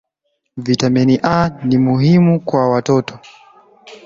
viatamin A ni muhimu kwa watoto